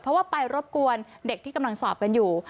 เพราะว่าไปรบกวนเด็กที่กำลังสอบกันอยู่